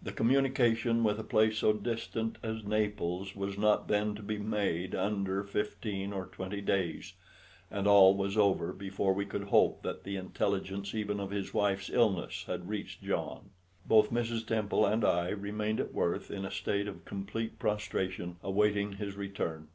The communication with a place so distant as Naples was not then to be made under fifteen or twenty days, and all was over before we could hope that the intelligence even of his wife's illness had reached John. Both Mrs. Temple and I remained at Worth in a state of complete prostration, awaiting his return.